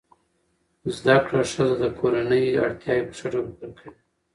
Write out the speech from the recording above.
زده کړه ښځه د کورنۍ اړتیاوې په ښه ډول پوره کوي.